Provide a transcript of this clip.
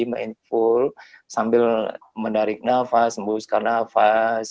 mindfull sambil menarik nafas membusukkan nafas